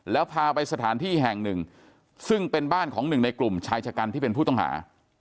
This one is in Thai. แล้วพาไปสถานที่แห่งหนึ่งซึ่งเป็นบ้านของหนึ่งในกลุ่มชายชะกันที่เป็นผู้ต้องหา